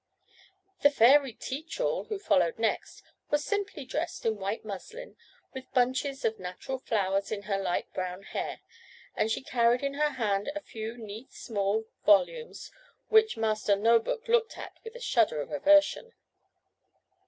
The fairy Teach all, who followed next, was simply dressed in white muslin, with bunches of natural flowers in her light brown hair, and she carried in her hand a few neat small volumes, which Master No book looked at with a shudder of aversion.